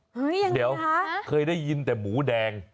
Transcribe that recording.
เฮ้ยยังไงคะนะเดี๋ยวเคยได้ยินแต่หมูแดง